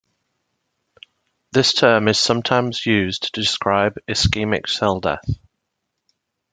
This term is sometimes used to describe Ischemic cell death.